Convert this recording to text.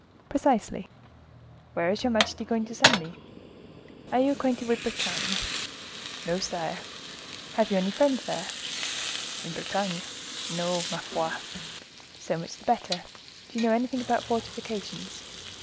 "Precisely." "Where is your majesty going to send me?" "Are you acquainted with Bretagne?" "No, sire." "Have you any friends there?" "In Bretagne? No, ma foi!" "So much the better. Do you know anything about fortifications?"